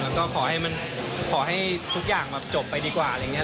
แล้วก็ขอให้ทุกอย่างจบไปดีกว่าอะไรอย่างนี้